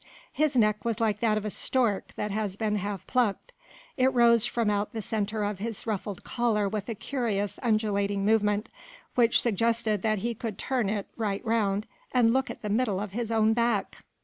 His neck was like that of a stork that has been half plucked, it rose from out the centre of his ruffled collar with a curious undulating movement, which suggested that he could turn it right round and look at the middle of his own back.